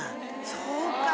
そうか。